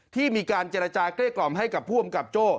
ที่มีการเจรจาเกลี้กล่อมให้กับผู้อำกับโจ้